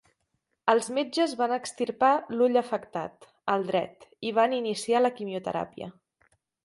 Els metges van extirpar l'ull afectat, el dret, i van iniciar la quimioteràpia.